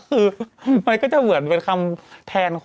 คือมันก็จะเหมือนเป็นคำแทน